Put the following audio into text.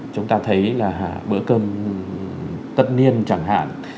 chúng ta thấy là bữa cơm tất niên chẳng hạn